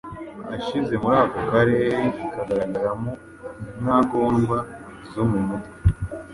ashize muri ako karere kagaragaramo intagondwa zo mu mutwe